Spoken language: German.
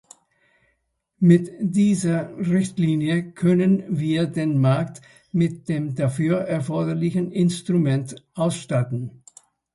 Mit dieser Richtlinie können wir den Markt mit dem dafür erforderlichen Instrument ausstatten.